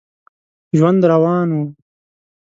ژوند روان و.